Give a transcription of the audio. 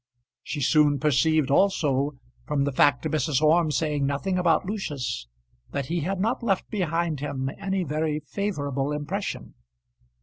She soon perceived also, from the fact of Mrs. Orme saying nothing about Lucius, that he had not left behind him any very favourable impression.